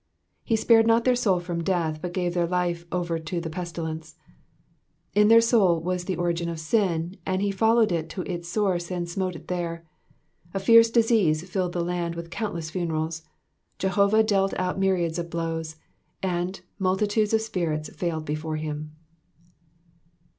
*'*^Ue spared not their soui from death, hut gave their life over to t/te pestiUnce.^^ In their soul was the origin of the sin, and he followed it to its source and smote it there. A fierce disease filled the land with countless funerals ; Jehovali dealt out myriads of blows, and multitudes of spirits failed before him.